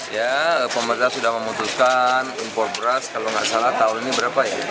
ya pemerintah sudah memutuskan impor beras kalau nggak salah tahun ini berapa ya